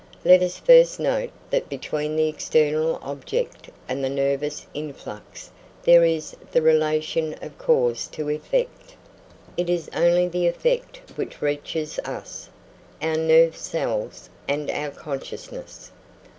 Let us first note that between the external object and the nervous influx there is the relation of cause to effect. It is only the effect which reaches us, our nerve cells, and our consciousness.